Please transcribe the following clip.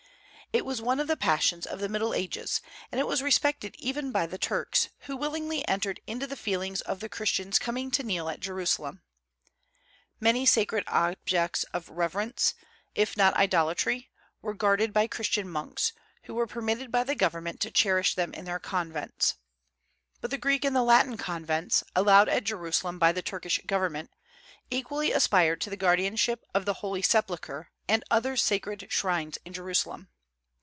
It was one of the passions of the Middle Ages, and it was respected even by the Turks, who willingly entered into the feelings of the Christians coming to kneel at Jerusalem. Many sacred objects of reverence, if not idolatry, were guarded by Christian monks, who were permitted by the government to cherish them in their convents. But the Greek and the Latin convents, allowed at Jerusalem by the Turkish government, equally aspired to the guardianship of the Holy Sepulchre and other sacred shrines in Jerusalem.